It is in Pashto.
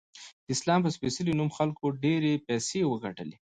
د اسلام په سپیڅلې نوم خلکو ډیرې پیسې وګټلی